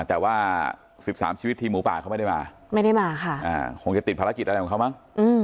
แต่ว่า๑๓ชีวิตทีมหมูป่าเขาไม่ได้มาไม่ได้มาค่ะคงจะติดภารกิจอะไรของเขามั้ง